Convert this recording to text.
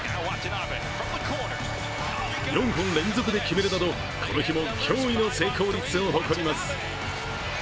４本連続で決めるなどこの日も驚異の成功率を誇ります。